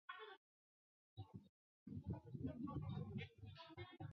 港内线渡轮航线是指行走维多利亚港以内地点的专营持牌渡轮服务。